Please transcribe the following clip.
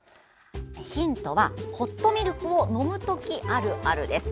ヒントはホットミルクを飲む時あるあるです。